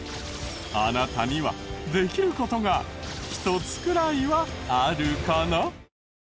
あなたにはできる事が１つくらいはあるかな？